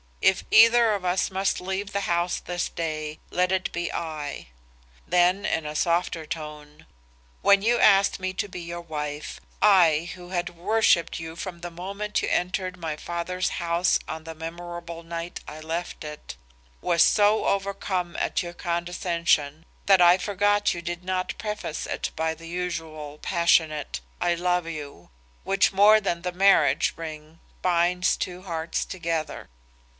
'If either of us must leave the house this day, let it be I.' Then in a softer tone, 'When you asked me to be your wife, I who had worshipped you from the moment you entered my father's house on the memorable night I left it, was so overcome at your condescension that I forgot you did not preface it by the usual passionate, 'I love you,' which more than the marriage ring binds two hearts together.